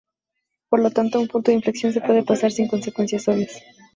Por lo tanto, un punto de inflexión se puede pasar sin consecuencias obvias.